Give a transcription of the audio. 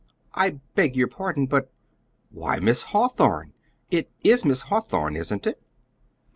"I beg your pardon, but why, Miss Hawthorn! It is Miss Hawthorn; isn't it?"